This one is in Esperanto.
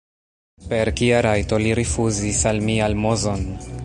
Per kia rajto li rifuzis al mi almozon?